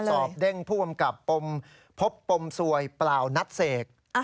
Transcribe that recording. สอบเด้งผู้กำกับพบปมสวยปลาวนัทเสก